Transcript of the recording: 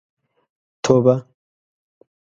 توبه.